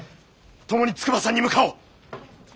共に筑波山に向かおう。